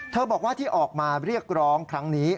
บอกว่าที่ออกมาเรียกร้องครั้งนี้